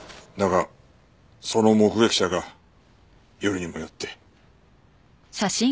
だがその目撃者がよりにもよって。